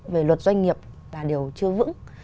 về luật doanh nghiệp là điều chưa vững